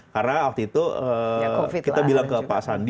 karena waktu itu kita bilang ke pak sandi